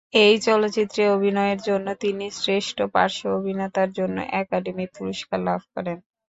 এই চলচ্চিত্রে অভিনয়ের জন্য তিনি শ্রেষ্ঠ পার্শ্ব অভিনেতার জন্য একাডেমি পুরস্কার লাভ করেন।